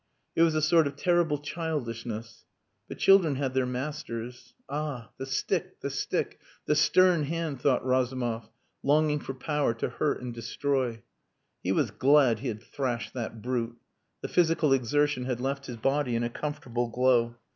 It was a sort of terrible childishness. But children had their masters. "Ah! the stick, the stick, the stern hand," thought Razumov, longing for power to hurt and destroy. He was glad he had thrashed that brute. The physical exertion had left his body in a comfortable glow.